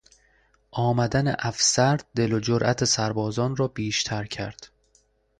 آمدن افسر دل و جرات سربازان را بیشتر کرد.